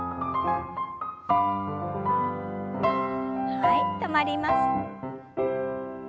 はい止まります。